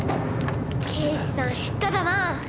刑事さん下手だなぁ。